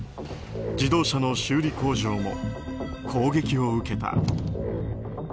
自動車の修理工場も攻撃を受けた。